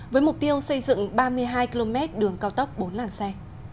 với mục tiêu xây dựng ba mươi hai km đường cao tốc bốn làn xe